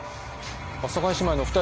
阿佐ヶ谷姉妹のお二人？